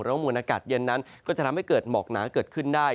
มวลอากาศเย็นนั้นก็จะทำให้เกิดหมอกหนาเกิดขึ้นได้